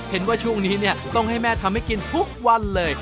เห็นว่าช่วงนี้เนี่ยต้องให้แม่ทำให้กินทุกวันเลย